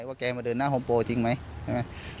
แกมาเดินหน้าโฮมโปรจริงไหมใช่ไหม